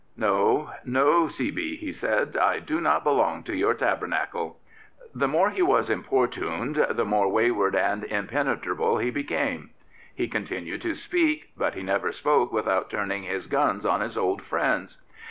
)" No, no, C. B., he said, " I do not belong to your tabernacle. The more he was importuned the more wayward and impenetrable he became. He continued to speak ; but he never spoke without turning his guns on his old friends.